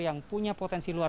yang punya potensi yang menarik